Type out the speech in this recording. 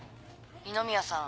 二宮さん